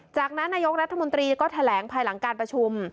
จากนั้นนายกรัฐมนตรีก็แถลงภายหลังการประชุม